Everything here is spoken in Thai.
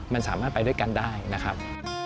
มันสามารถไปด้วยกันได้นะครับ